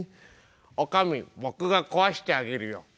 「女将僕が壊してあげるよ」。